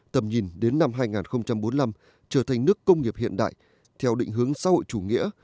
tầm nhìn đến năm hai nghìn bốn mươi năm trở thành nước công nghiệp hiện đại theo định hướng xã hội chủ nghĩa